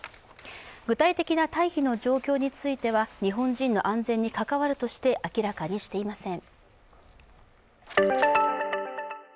具体的な退避の状況については、日本人の安全に関わるとして明らかにしていません。